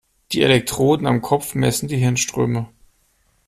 Die Elektroden am Kopf messen die Hirnströme.